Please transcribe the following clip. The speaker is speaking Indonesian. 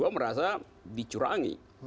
dua merasa dicurangi